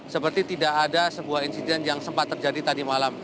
seperti tidak ada sebuah insiden yang sempat terjadi tadi malam